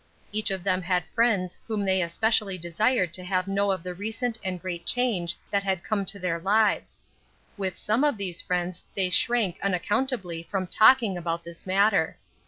Each of them had friends whom they especially desired to have know of the recent and great change that had come to their lives. With some of these friends they shrank unaccountably from talking about this matter.